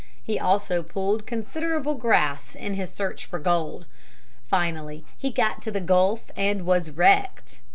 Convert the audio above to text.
He also pulled considerable grass in his search for gold. Finally he got to the gulf and was wrecked.